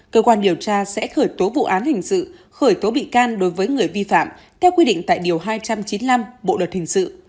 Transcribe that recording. lợi tố bị can đối với người vi phạm theo quy định tại điều hai trăm chín mươi năm bộ đợt hình sự